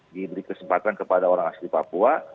diberi kesempatan kepada orang asli papua